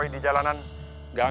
itu daknota toha fran